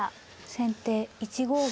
先手１五銀。